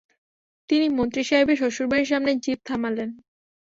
তিনি মন্ত্রী সাহেবের শ্বশুরবাড়ির সামনে জীপ থামালেন।